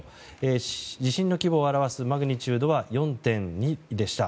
地震の規模を表すマグニチュードは４．２でした。